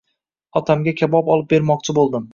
otamga kabob olib bermoqchi bo‘ldim.